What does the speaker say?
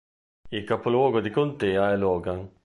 Il capoluogo di contea è Logan.